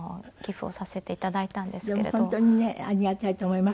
でも本当にねありがたいと思いますよね。